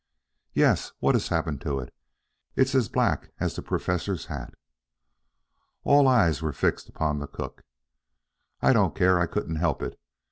"Yes, what has happened to it? It's as black as the Professor's hat." All eyes were fixed upon the cook. "I don't care, I couldn't help it.